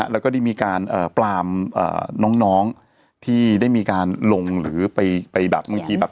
แล้วก็มีการปลามน้องที่ได้มีการลงหลังหรือไปแบบ